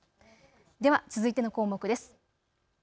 では続いての項目です。